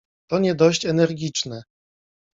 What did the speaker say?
— To nie dość energiczne.